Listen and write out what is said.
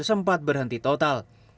sempat berhenti total